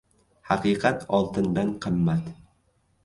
• Haqiqat oltindan qimmat.